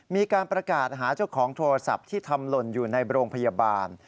มีการประกาศหาเจ้าของโทรศัพท์ที่ทำหล่นอยู่ในโรงพยาบาล